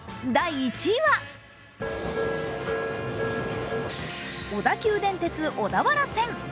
第１位は小田急電鉄小田原線。